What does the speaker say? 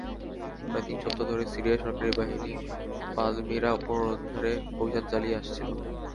প্রায় তিন সপ্তাহ ধরে সিরিয়ার সরকারি বাহিনী পালমিরা পুনরুদ্ধারে অভিযান চালিয়ে আসছিল।